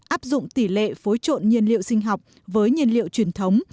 áp dụng tỷ lệ phối trộn nhiên liệu sinh học với nhiên liệu truyền thống